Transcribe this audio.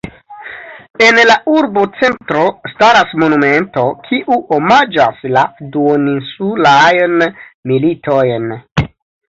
En la urbocentro staras monumento, kiu omaĝas la duoninsulajn militojn.